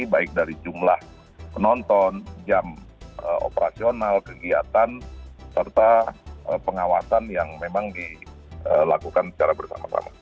baik dari jumlah penonton jam operasional kegiatan serta pengawasan yang memang dilakukan secara bersama sama